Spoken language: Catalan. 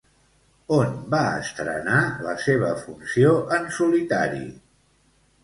On va estrenar la seva funció en solitari?